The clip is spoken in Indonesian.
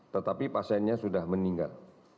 tetapi pasiennya sudah meninggal